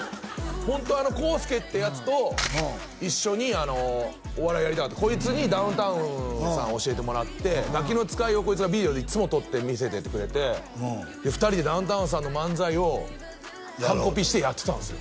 ホントはあの耕介ってヤツと一緒にお笑いやりたかったこいつにダウンタウンさんを教えてもらって「ガキの使い」をこいつがビデオでいっつもとって見せてくれてで２人でダウンタウンさんの漫才を完コピしてやってたんすよ